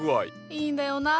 いいんだよな。